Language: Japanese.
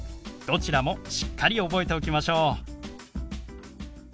どちらもしっかり覚えておきましょう！